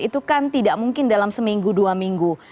itu kan tidak mungkin dalam seminggu dua minggu